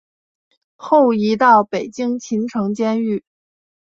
后移到北京秦城监狱。